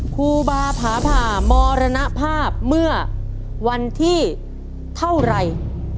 ครูบาผาผ่ามรณภาพเมื่อวันที่เท่าไหร่